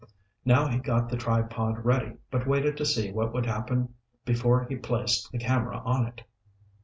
Now he got the tripod ready but waited to see what would happen before he placed the camera on it.